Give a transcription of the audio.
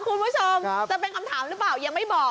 คุณผู้ชมจะเป็นคำถามหรือเปล่ายังไม่บอก